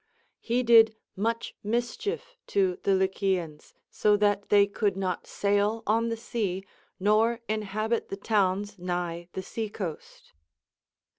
He did much mischief to the Lycians, so that they could not sail on the sea nor inhabit the towns nigh the sea coast.